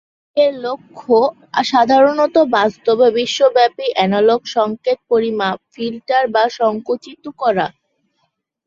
DSP এর লক্ষ্য সাধারণত বাস্তবে বিশ্বব্যাপী এনালগ সংকেত পরিমাপ, ফিল্টার বা সংকুচিত করা।